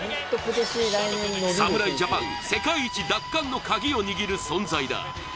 侍ジャパン世界一奪還のカギを握る存在だ。